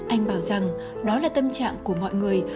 anh bảo rằng đó là tâm trạng của mọi người